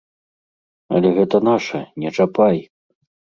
Але гэта наша, не чапай!